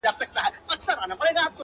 نه پاته کيږي؛ ستا د حُسن د شراب؛ وخت ته؛